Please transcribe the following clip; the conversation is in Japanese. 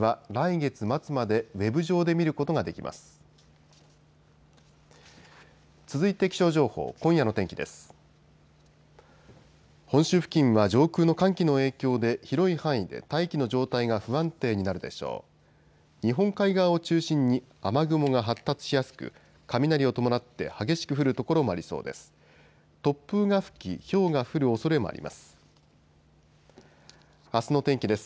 日本海側を中心に雨雲が発達しやすく雷を伴って激しく降る所もありそうです。